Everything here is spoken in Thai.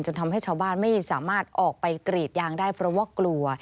ทำให้ชาวบ้านไม่สามารถออกไปกรีดยางได้เพราะว่ากลัว